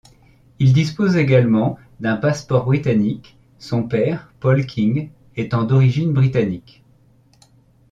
Il dispose également d'un passeport britannique, son père Paul King étant d'origine britannique.